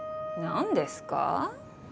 なんですか？